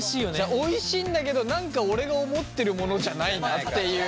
おいしいんだけど何か俺が思ってるものじゃないなっていう。